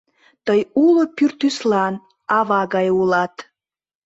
Тый уло пӱртӱслан ава гае улат!